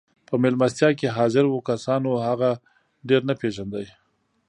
په مېلمستيا کې حاضرو کسانو هغه ډېر نه پېژانده.